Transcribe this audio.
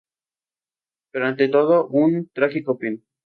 Pero ante todo un trágico fin.